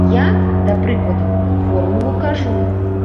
Я, да прыкладу, формулу кажу.